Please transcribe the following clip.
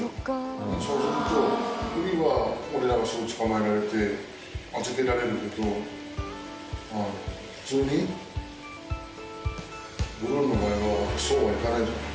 そうすると、ウリは俺らがすぐ捕まえられて預けられるけど、あの、普通に、ブルーの場合はそうはいかない。